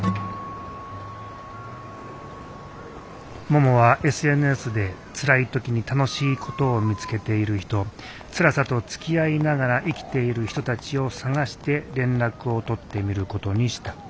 ももはＳＮＳでつらい時に楽しいことを見つけている人つらさとつきあいながら生きている人たちを探して連絡を取ってみることにした。